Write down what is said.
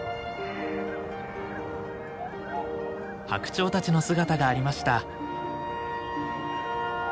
ハクチョウたちの姿がありました。